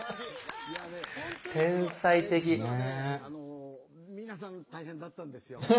あの皆さん大変だったんですよ。